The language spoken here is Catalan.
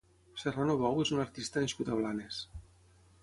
Serrano Bou és un artista nascut a Blanes.